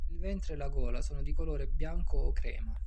Il ventre e la gola sono di colore bianco o crema.